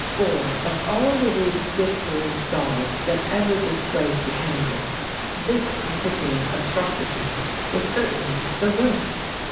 For, of all the ridiculous daubs that ever disgraced a can vas, this particular atrocity was certainly the worst.